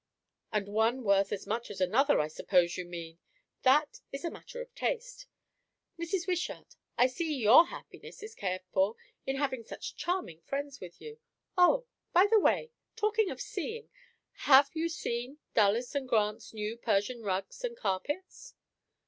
"And one worth as much as another, I suppose you mean? That is a matter of taste. Mrs. Wishart, I see your happiness is cared for, in having such charming friends with you. O, by the way! talking of seeing, have you seen Dulles & Grant's new Persian rugs and carpets?"